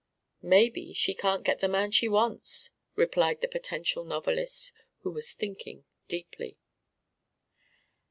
"Maybe she can't get the man she wants," replied the potential novelist, who was thinking deeply.